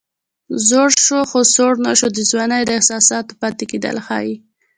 زوړ شو خو سوړ نه شو د ځوانۍ د احساساتو پاتې کېدل ښيي